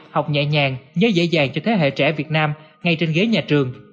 học nhẹ nhàng nhớ dễ dàng cho thế hệ trẻ việt nam ngay trên ghế nhà trường